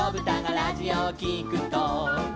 「ラジオをきくと」